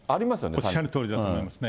おっしゃるとおりでございますね。